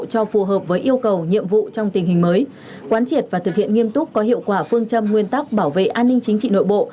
cho phù hợp với yêu cầu nhiệm vụ trong tình hình mới quán triệt và thực hiện nghiêm túc có hiệu quả phương châm nguyên tắc bảo vệ an ninh chính trị nội bộ